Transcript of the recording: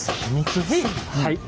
はい。